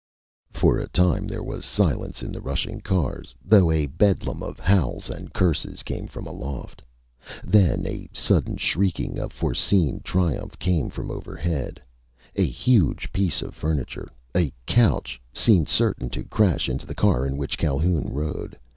For a time there was silence in the rushing cars, though a bedlam of howls and curses came from aloft. Then a sudden shrieking of foreseen triumph came from overhead. A huge piece of furniture, a couch, seemed certain to crash into the car in which Calhoun rode.